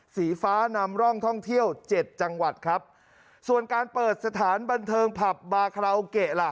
สีฟ้านำร่องท่องเที่ยวเจ็ดจังหวัดครับส่วนการเปิดสถานบันเทิงผับบาคาราโอเกะล่ะ